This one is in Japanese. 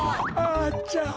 あちゃ！